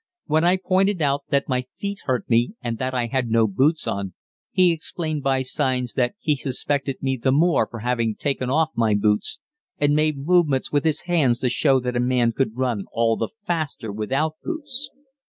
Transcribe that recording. When I pointed out that my feet hurt me and that I had no boots on, he explained by signs that he suspected me the more for having taken off my boots, and made movements with his hands to show that a man could run all the faster without boots.